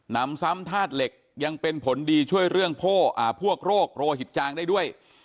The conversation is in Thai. นำซ้ำธาตุเหล็กยังเป็นผลดีช่วยเรื่องพวกโรคโรหิตจางได้ด้วย